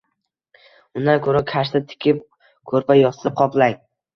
Undan koʼra kashta tiking, koʼrpa-yostiq qoplang.